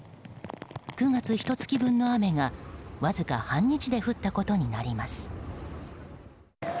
９月ひと月分の雨がわずか半日で降ったことになります。